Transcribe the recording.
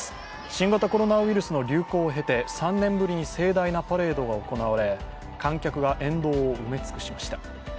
新型コロナウイルスの流行を経て３年ぶりに盛大なパレードが行われ観客が沿道を埋め尽くしました。